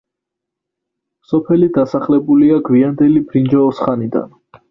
სოფელი დასახლებულია გვიანდელი ბრინჯაოს ხანიდან.